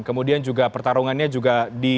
kemudian juga pertarungannya juga